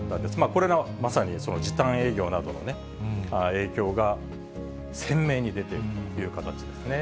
これがまさに時短営業などのね、影響が鮮明に出ているという形ですね。